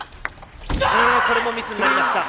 これもミスになりました。